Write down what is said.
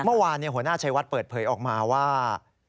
เมื่อวานหัวหน้าชัยวัดเปิดเผยออกมาว่า